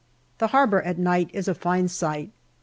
The harbour at night is a fine sight.